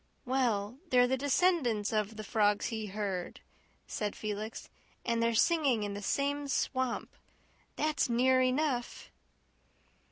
"Well, they're the descendants of the frogs he heard," said Felix, "and they're singing in the same swamp. That's near enough."